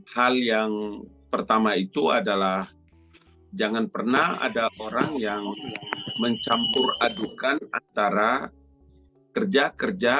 hal yang pertama itu adalah jangan pernah ada orang yang mencampur adukan antara kerja kerja